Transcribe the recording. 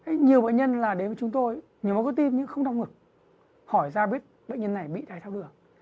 nhiều bệnh nhân đến với chúng tôi nhiều bệnh nhân có tim nhưng không đong ngực hỏi ra biết bệnh nhân này bị đái đường